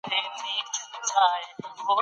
ناسا ماموریت پیل کړی.